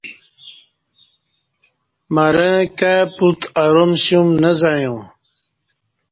مرہ کای پت ارام سیوم نہ زعیاں